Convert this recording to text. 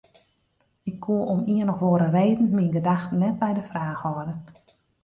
Ik koe om ien of oare reden myn gedachten net by de fraach hâlde.